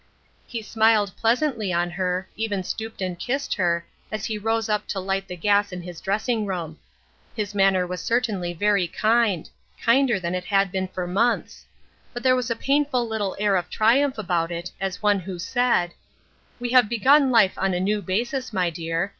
He smiled pleasantly on her, even stooped and kissed her, as he rose up to light the gas in his dressing room. His manner was certainly very kind — kinder than it had been for months. But there was a painful little air of triumph about it, as one who said :—" We have begun life on a new basis, my dear.